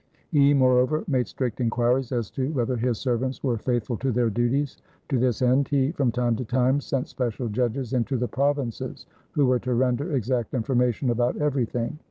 He, moreover, made strict inquiries as to whether his servants were faithful to their duties. To this end he from time to time sent special judges into the provinces, who were to render exact information about everything.